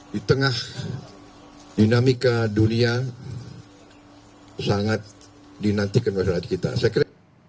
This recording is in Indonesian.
di tengah dinamika dunia sangat dinantikan